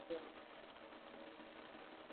ښه ځه زه يې بيا ګورم.